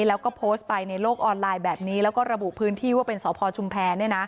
แล้วก็โพสต์ไปในโลกออนไลน์แบบนี้แล้วก็ระบุพื้นที่ว่าเป็นสพชุมแพร